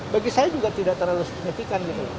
bagi saya juga tidak terlalu signifikan